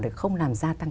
để không làm gia tăng